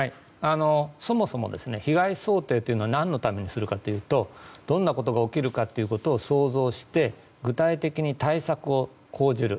そもそも被害想定は何のためにするかというとどんなことが起きるかということを想像して具体的に対策を講じる。